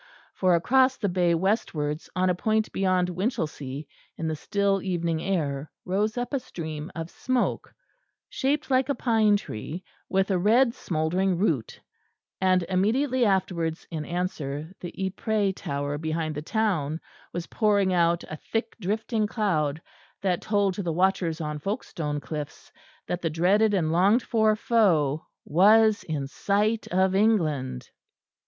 For across the bay westwards, on a point beyond Winchelsea, in the still evening air rose up a stream of smoke shaped like a pine tree, with a red smouldering root; and immediately afterwards in answer the Ypres tower behind the town was pouring out a thick drifting cloud that told to the watchers on Folkestone cliffs that the dreaded and longed for foe was in sight of England.